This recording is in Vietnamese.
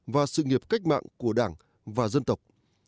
và sự nghiệp cách mạng của đảng và dân tộc